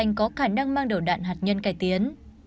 nó đang mang đầu đạn hạt nhân cải tiến